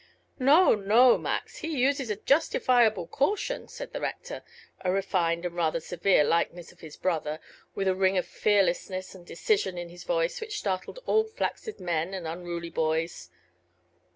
"No, no, Max; he uses a justifiable caution," said the rector, a refined and rather severe likeness of his brother, with a ring of fearlessness and decision in his voice which startled all flaccid men and unruly boys.